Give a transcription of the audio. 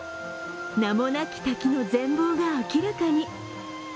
名もなき滝の全貌が明らかに。